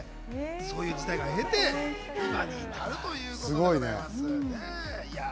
そういう時代を経て、今に至るということです。